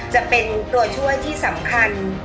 จะเป็นตัวช่วยที่สำคัญ